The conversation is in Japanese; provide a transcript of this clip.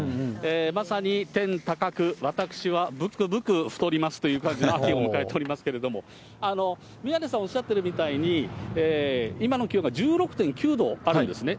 まさに天高く、私はぶくぶく太りますという感じの秋を迎えておりますけれども、宮根さん、おっしゃってるみたいに今の気温が１６．９度あるんですね。